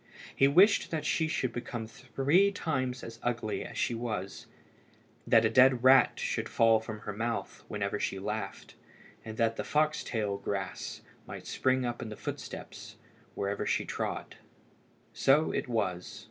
He wished that she should become three times as ugly as she was, that a dead rat should fall from her mouth whenever she laughed, and that the fox tail grass might spring up in the footsteps wherever she trod. So it was.